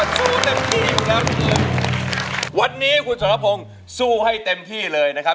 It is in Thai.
สู้เต็มที่อยู่แล้วทีนี้วันนี้คุณส่วนภงสู้ให้เต็มที่เลยนะครับ